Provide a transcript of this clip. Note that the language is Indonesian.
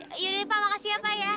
eh yaudah pak makasih ya pak ya